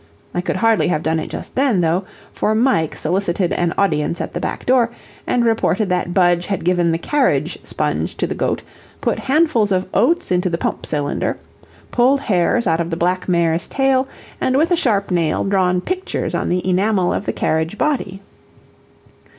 I could hardly have done it just then, though, for Mike solicited an audience at the back door, and reported that Budge had given the carriage sponge to the goat, put handfuls of oats into the pump cylinder, pulled hairs out of the black mare's tail, and with a sharp nail drawn pictures on the enamel of the carriage body.